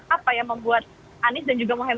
apa yang membuat anies dan juga mohaimin